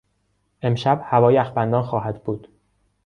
امشب هوا یخبندان خواهد بود.